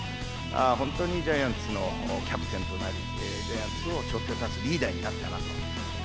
本当にジャイアンツのキャプテンとなり、ジャイアンツをしょって立つリーダーになった。